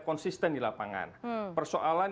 konsisten di lapangan persoalan